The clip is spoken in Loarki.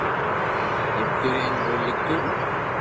ڪرتو رھيو ھين ٻولي لکتو رھيو